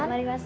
ya mari mas